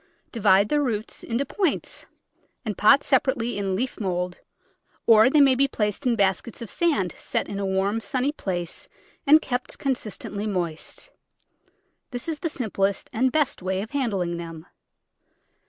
Divide the roots into points and pot separately in leaf mould, or they may be placed in baskets of sand set in a warm, sunny place and kept constantly moist; this is the simplest and best way of handling them.